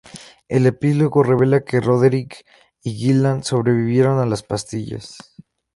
El epílogo revela que Roderick y Gillian sobrevivieron a las pastillas.